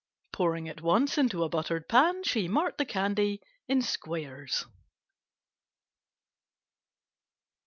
Pouring at once into a buttered pan, she marked the candy in squares.